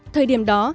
thời điểm đó